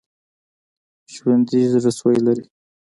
ژوندي زړسوي لري